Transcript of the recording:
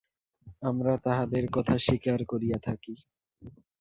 আমরা তাঁহাদের কথা স্বীকার করিয়া থাকি।